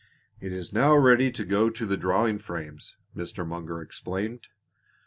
"It is now ready to go to the drawing frames," Mr. Munger explained.